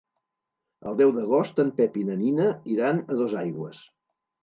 El deu d'agost en Pep i na Nina iran a Dosaigües.